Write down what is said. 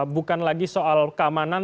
bukan lagi soal keamanan